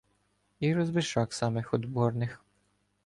І розбишак самих одборних